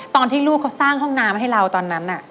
ตอนที่ลูกเขาสร้างห้องน้ำให้เราตอนนั้น